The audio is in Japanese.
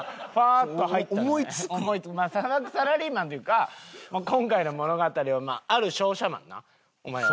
まあ砂漠サラリーマンというか今回の物語はある商社マンなお前は。